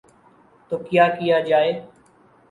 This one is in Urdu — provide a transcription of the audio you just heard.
تو کیا کیا جائے؟